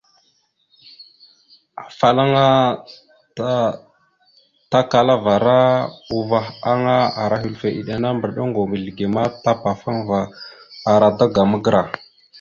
Afalaŋana tatakalavara uvah a ara hœləfe iɗena mbəriɗe ongov mizləge ma tapafaŋva ara daga magəra.